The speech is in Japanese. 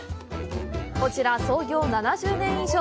こちら、創業７０年以上。